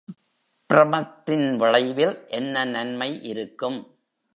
ப்ரமத்தின் விளைவில் என்ன நன்மை இருக்கும்?